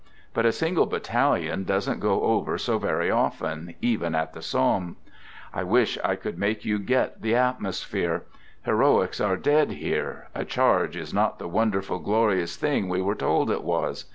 But a single battalion doesn't go over so very often, even at the Somme. I wish I could make you " get " the atmosphere. " Heroics " are dead here, a charge is not the wonderful, glorious thing we were told it was.